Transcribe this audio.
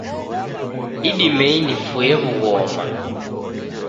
Idimei nifuye w'ughoma